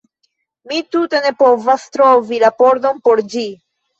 Mi tute ne povas trovi la pordon por ĝi